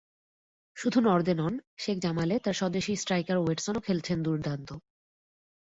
শুধু নর্দে নন, শেখ জামালে তাঁর স্বদেশি স্ট্রাইকার ওয়েডসনও খেলছেন দুর্দান্ত।